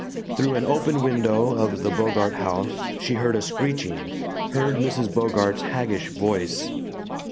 Through an open window of the Bogart house she heard a screeching, heard Mrs. Bogart's haggish voice